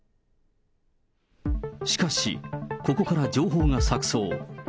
しかし、ここから情報が錯そう。